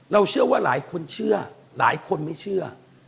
เชื่อว่าหลายคนเชื่อหลายคนไม่เชื่อ